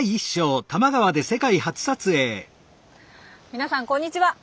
みなさんこんにちは。